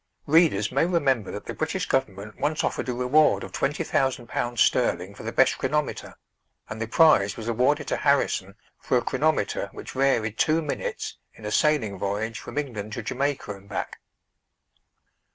Readers may remember that the British government once offered a reward of twenty thousand pounds sterling for the best chronometer, and the prize was awarded to Harrison for a chronometer which varied two minutes in a sailing voyage from England to Jamaica and back.